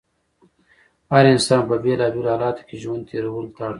هر انسان په بېلا بېلو حالاتو کې ژوند تېرولو ته اړ کېږي.